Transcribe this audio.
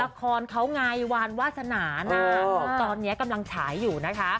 ละครเขาไงวานวาสนานะตอนนี้กำลังฉายอยู่นะคะ